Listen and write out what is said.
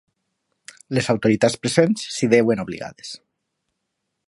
Les autoritats presents s'hi veuen obligades.